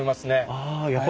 ああやっぱり。